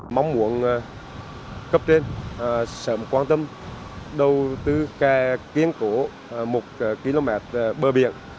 mong muốn cấp trên sợm quan tâm đầu tư kè kiến cổ một km bờ biển